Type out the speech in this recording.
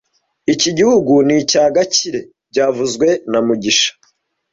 Iki gihugu ni icya Gakire byavuzwe na mugisha